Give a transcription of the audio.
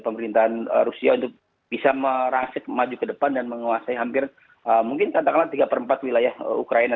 pemerintahan rusia untuk bisa merangsit maju ke depan dan menguasai hampir mungkin katakanlah tiga per empat wilayah ukraina